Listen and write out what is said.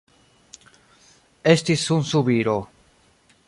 Estis sunsubiro.